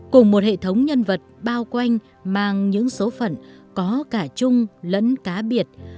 cùng một hệ thống nhân vật bao quanh mang những số phận có cả chung lẫn cá biệt